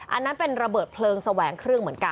อันนั้นเป็นระเบิดเพลิงแสวงเครื่องเหมือนกัน